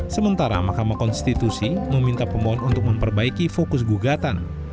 sementara mahkamah konstitusi meminta pemohon untuk memperbaiki fokus gugatan